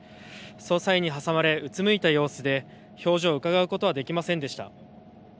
捜査員に挟まれうつむいた様子で表情をうかがうことはできませんでした。